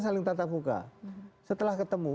saling tatap muka setelah ketemu